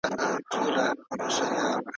د ورځي په رڼا کي ګرځي.